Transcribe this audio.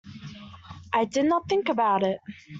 I did not think about it.